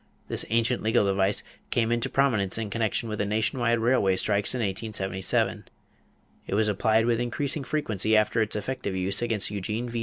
This ancient legal device came into prominence in connection with nation wide railway strikes in 1877. It was applied with increasing frequency after its effective use against Eugene V.